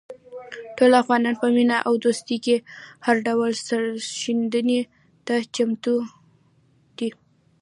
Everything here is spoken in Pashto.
ټول افغانان په مینه او دوستۍ کې هر ډول سرښندنې ته چمتو دي.